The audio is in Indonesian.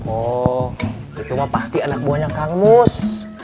oh itu mah pasti anak buahnya kangus